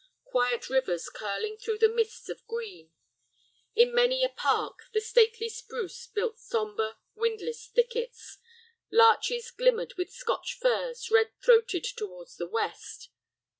Quiet rivers curling through the mists of green. In many a park the stately spruce built sombre, windless thickets; larches glimmered with Scotch firs red throated towards the west.